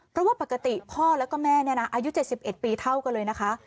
เพราะว่าปกติพ่อแล้วก็แม่เนี่ยนะอายุ๗๑ปีเท่ากันเลยนะคะ